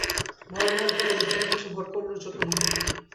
ভয়াবহ একধরনের বিষন্নতা এসে ভর করল ওর চোখেমুখে।